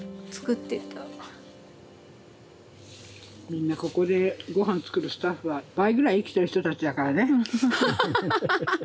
みんなここでごはん作るスタッフは倍ぐらい生きてる人たちだからね。